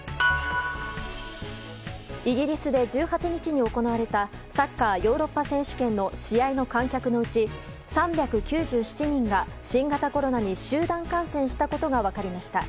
イギリスで１８日に行われたサッカーヨーロッパ選手権の試合の観客のうち３９７人が新型コロナに集団感染したことが分かりました。